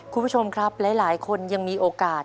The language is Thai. คุณผู้ชมครับหลายคนยังมีโอกาส